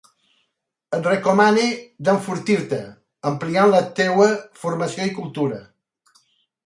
Et recomane d'enfortir-te ampliant la teua formació i cultura.